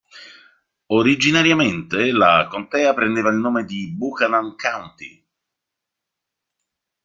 Originariamente la contea prendeva il nome di Buchanan County.